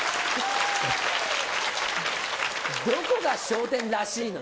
どこが笑点らしいの。